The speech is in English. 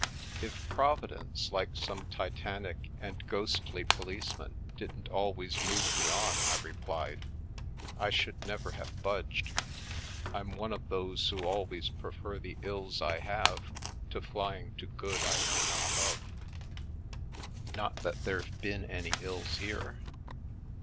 " "If Providence, like some titanic and ghostly police man, didn't always move me on," I replied, " I should never have budged. I'm one of those who always prefer the ills I have to flying to good I know not of. Not that there've been any ills here.